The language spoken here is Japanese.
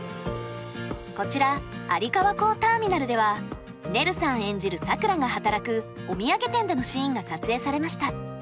こちら有川港ターミナルではねるさん演じるさくらが働くお土産店でのシーンが撮影されました。